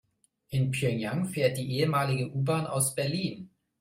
In Pjöngjang fährt die ehemalige U-Bahn aus Berlin.